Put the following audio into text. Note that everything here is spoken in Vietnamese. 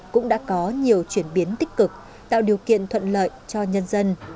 cũng đã có nhiều chuyển biến tích cực tạo điều kiện thuận lợi cho nhân dân